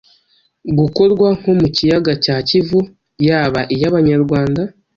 gukorwa nko mu kiyaga cya Kivu yaba iy’abanyarwanda